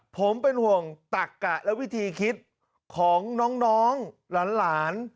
ผมเป็นห่วงตักกะและวิธีคิดของน้องหลาน